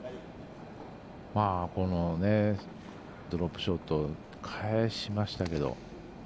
このドロップショットを返しましたけど。